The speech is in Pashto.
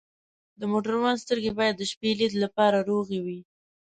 د موټروان سترګې باید د شپې لید لپاره روغې وي.